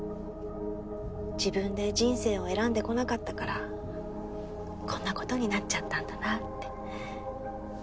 自分で人生を選んでこなかったからこんな事になっちゃったんだなあって。